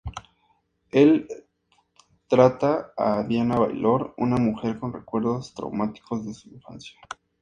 El trata a Diana Baylor, una mujer con recuerdos traumáticos de su infancia.